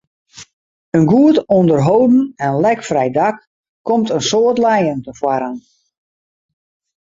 In goed ûnderholden en lekfrij dak komt in soad lijen tefoaren.